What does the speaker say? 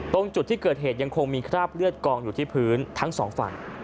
ตรงจุดที่เกิดเหตุยังคงมีคราบเลือดกองอยู่ที่พื้นทั้งสองฝั่ง